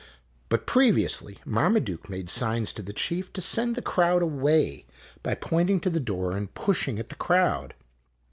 But previously Marmaduke made signs to the chief to send the crowd away, by pointing to the door and push ing at the crowd.